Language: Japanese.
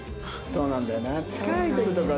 そうなんだよ。